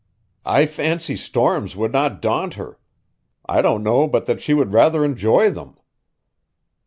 "I fancy storms would not daunt her. I don't know but that she would rather enjoy them."